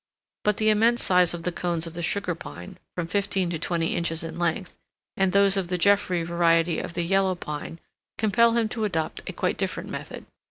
But the immense size of the cones of the Sugar Pine—from fifteen to twenty inches in length—and those of the Jeffrey variety of the Yellow Pine compel him to adopt a quite different method.